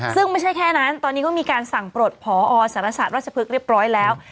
ซึ่งไม่ใช่แค่นั้นตอนนี้ก็มีการสั่งปลดพอสารศาสตร์ราชพฤกษ์เรียบร้อยแล้ว